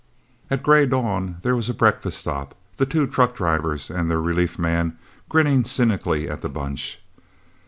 At grey dawn, there was a breakfast stop, the two truck drivers and their relief man grinning cynically at the Bunch.